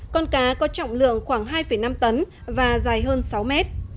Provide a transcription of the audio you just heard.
con cá có trọng lượng khoảng hai năm tấn và dài hơn sáu mét